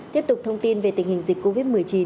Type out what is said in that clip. tiếp tục thông tin về tình hình dịch covid một mươi chín